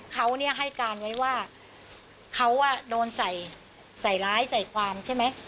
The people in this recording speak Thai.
เขาเนี่ยให้การไว้ว่าเขาโดนใส่ร้ายใส่ความใช่ไหม